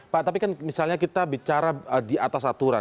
pak tapi kan misalnya kita bicara di atas aturan